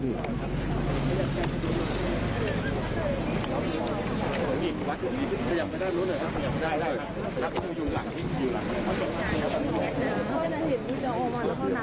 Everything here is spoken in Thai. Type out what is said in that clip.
โอเคครับคุณครับ